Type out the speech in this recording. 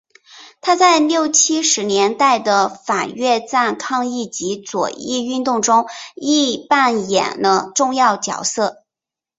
他在六七十年代的反越战抗议及左翼运动中亦扮演了重要角色。